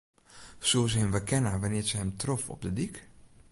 Soe se him werkenne wannear't se him trof op de dyk?